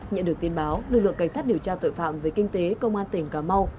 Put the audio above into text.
nhận được tin báo lực lượng cảnh sát điều tra tội phạm về kinh tế công an tỉnh cà mau